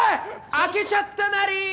開けちゃったなり！